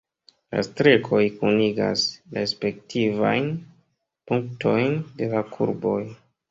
La strekoj kunigas la respektivajn punktojn de la kurboj.